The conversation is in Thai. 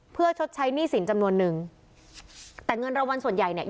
เพื่อชดใช้หนี้สินจำนวนนึงแต่เงินรางวัลส่วนใหญ่เนี่ย